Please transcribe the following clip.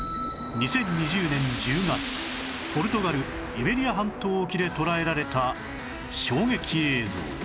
２０２０年１０月ポルトガルイベリア半島沖で捉えられた衝撃映像